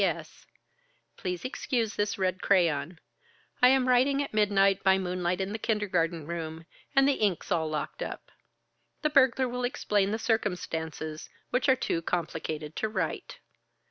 "P. S. Please excuse this red crayon. I am writing at midnight, by moonlight in the kindergarten room, and the ink's all locked up. The burglar will explain the circumstances, which are too complicated to write.